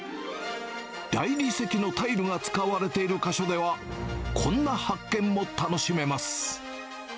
大理石のタイルが使われている箇所ではこんな発見も楽しめます。